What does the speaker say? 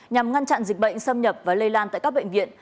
nhằm ngăn chặn dịch bệnh xâm nhập và lây lan tại các bệnh viện